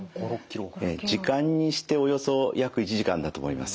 時間にしておよそ約１時間だと思います。